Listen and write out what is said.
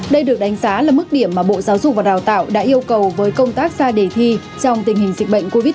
đây được đánh giá là mức điểm mà bộ giáo dục và đào tạo đã yêu cầu với công tác ra đề thi trong tình hình dịch bệnh covid một mươi chín